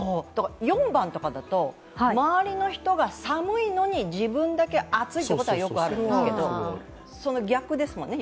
４番だと、周りの人が寒いのに自分だけ暑いということはよくあるけど、その逆ですもんね。